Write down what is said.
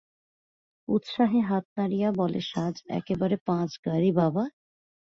উৎসাহে হাত নাড়িয়া বলেসাজ একেবারে পাঁচ গাড়ি বাবা!